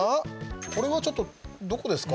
これはちょっとどこですか？